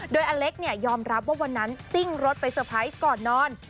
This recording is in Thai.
โดยอเล็กเนี่ยยอมรับว่าวันนั้นซิ่งรถไปเซอร์ไพรส์ก่อนนอน